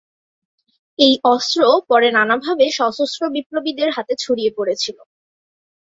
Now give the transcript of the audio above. এই অস্ত্র পরে নানা ভাবে সশস্ত্র বিপ্লবীদের হাতে ছড়িয়ে পড়েছিল।